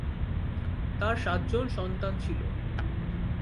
তার সাতজন সন্তান ছিল।